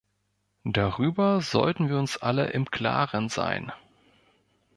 Darüber sollten wir uns alle im Klaren sein.